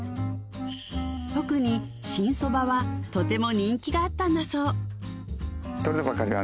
特に新そばはとても人気があったんだ